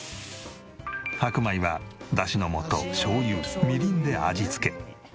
白米はだしの素しょうゆみりんで味付け。